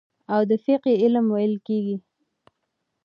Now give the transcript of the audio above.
او د فقهي علم ويل کېږي.